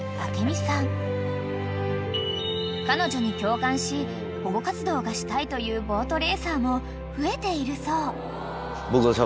［彼女に共感し保護活動がしたいというボートレーサーも増えているそう］